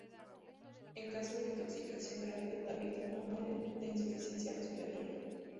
En caso de intoxicación grave, la víctima muere de insuficiencia respiratoria.